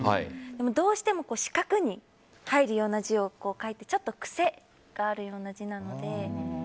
でも、どうしても四角に入るような字を書いてちょっと癖があるような字なので。